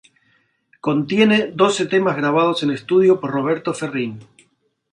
Contiene doce temas grabados en estudio por Roberto Ferrín.